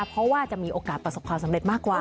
เพราะว่าจะมีโอกาสประสบความสำเร็จมากกว่า